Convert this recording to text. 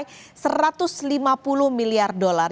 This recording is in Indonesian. mencapai satu ratus lima puluh miliar dolar